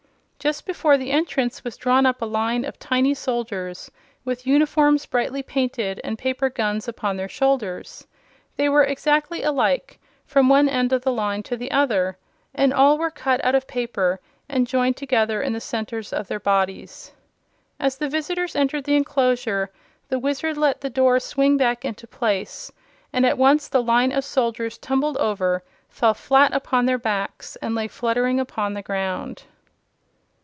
Just before the entrance was drawn up a line of tiny soldiers, with uniforms brightly painted and paper guns upon their shoulders. They were exactly alike, from one end of the line to the other, and all were cut out of paper and joined together in the centers of their bodies. As the visitors entered the enclosure the Wizard let the door swing back into place, and at once the line of soldiers tumbled over, fell flat upon their backs, and lay fluttering upon the ground.